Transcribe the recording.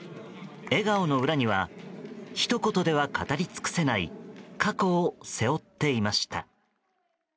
笑顔の裏にはひと言では語りつくせない過去を背負っていました。